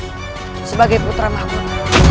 rakyat sebagai putra makhluk